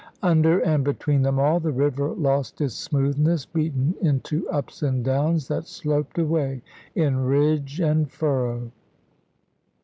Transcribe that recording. Under and between them all, the river lost its smoothness, beaten into ups and downs that sloped away in ridge and furrow.